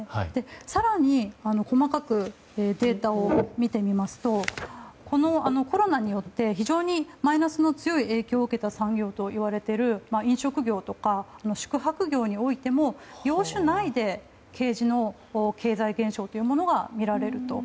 更に、細かくデータを見てみますとコロナによって非常にマイナスの強い影響を受けたといわれている飲食業とか宿泊業においても業種内にＫ字の経済減少というものがみられると。